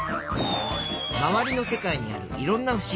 まわりの世界にあるいろんなふしぎ。